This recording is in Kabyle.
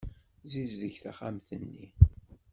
Ssizdeg taxxamt-nni.